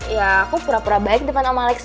ya aku pura pura balik dengan om alex